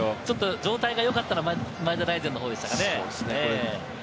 状態が良かったのは前田大然のほうでしたかね。